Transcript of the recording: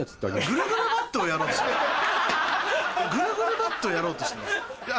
ぐるぐるバットをやろうとしてます？